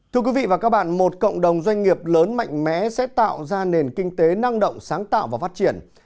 thưa quý vị và các bạn một cộng đồng doanh nghiệp lớn mạnh mẽ sẽ tạo ra nền kinh tế năng động sáng tạo và phát triển